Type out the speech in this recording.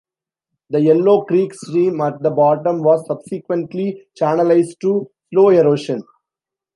The Yellow Creek stream at the bottom was subsequently channelized to slow erosion.